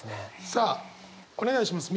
さあお願いします